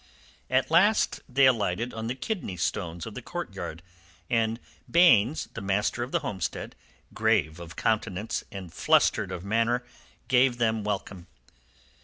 At last they alighted on the kidney stones of the courtyard, and Baynes, the master, of the homestead, grave of countenance and flustered of manner, gave them welcome.